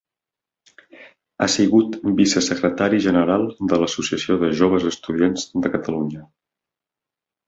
Ha sigut vicesecretari general de l'Associació de Joves Estudiants de Catalunya.